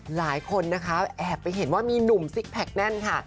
หลายคนนะคะแอบไปเห็นว่ามีหนุ่มซิกแพคแน่นค่ะ